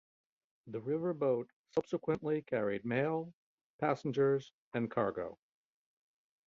The river boat subsequently carried mail, passengers and cargo.